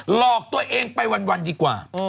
หลอกตัวเองไปวันดีกว่า